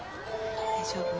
大丈夫？